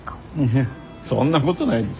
いやそんなことないですよ。